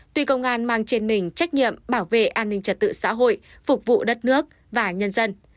tuy công an mang trên mình trách nhiệm bảo vệ an ninh trật tự xã hội phục vụ đất nước và nhân dân